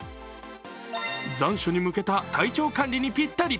残暑に向けた体調管理にぴったり。